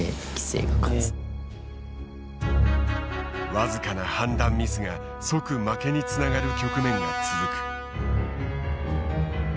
僅かな判断ミスが即負けにつながる局面が続く。